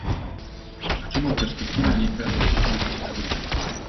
Магчыма, у перспектыву нейкага наступнага тысячагоддзя.